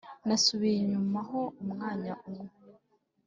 Nasubiye inyuma ho umwanya umwe